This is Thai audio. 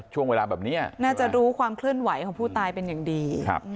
ช่วงเวลาแบบนี้น่าจะรู้ความเคลื่อนไหวของผู้ตายเป็นอย่างดี